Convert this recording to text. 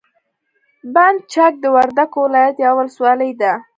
بند چک د وردګو ولایت یوه ولسوالي ده.